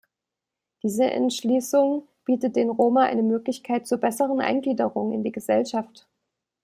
Diese Entschließung bietet den Roma eine Möglichkeit zur besseren Eingliederung in die Gesellschaft.